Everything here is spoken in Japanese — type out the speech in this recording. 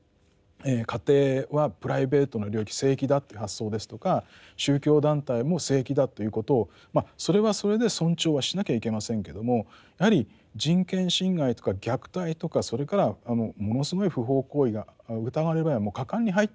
家庭はプライベートな領域聖域だっていう発想ですとか宗教団体も聖域だということをまあそれはそれで尊重はしなきゃいけませんけどもやはり人権侵害とか虐待とかそれからものすごい不法行為が疑われる場合はもう果敢に入っていく。